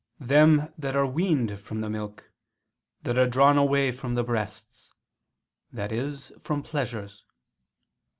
Them that are weaned from the milk, that are drawn away from the breasts," i.e. from pleasures.